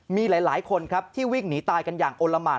มีหลายคนที่วิ่งหนีตายกันอย่างอลลาม่าน